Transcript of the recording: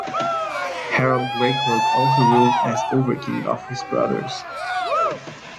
Harald Greycloak also ruled as "overking" of his brothers.